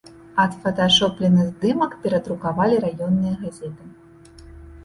Адфоташоплены здымак перадрукавалі раённыя газеты.